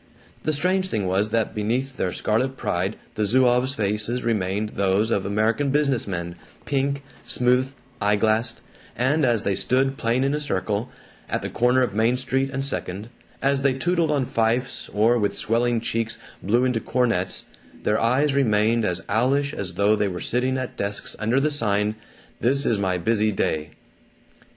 The strange thing was that beneath their scarlet pride the Zouaves' faces remained those of American business men, pink, smooth, eye glassed; and as they stood playing in a circle, at the corner of Main Street and Second, as they tootled on fifes or with swelling cheeks blew into cornets, their eyes remained as owlish as though they were sitting at desks under the sign "This Is My Busy Day."